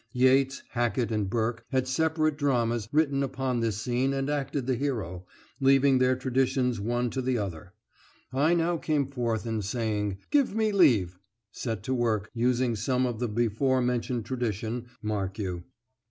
Yates, Hackett, and Burke had separate dramas written upon this scene and acted the hero, leaving their traditions one to the other. I now came forth, and saying, "Give me leave," set to work, using some of the before mentioned tradition, mark you.